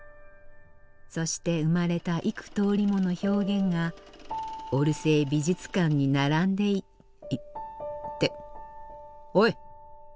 そして生まれた幾とおりもの表現がオルセー美術館に並んでいっておい！